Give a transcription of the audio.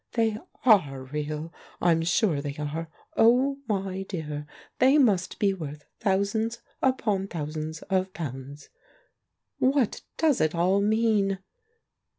They are real, I'm sure they are. Oh, my dear! they must be worth thousands upon thousands of pounds. What does it all mean?"